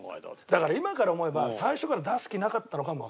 だから今から思えば最初から出す気なかったのかも。